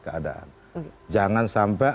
keadaan jangan sampai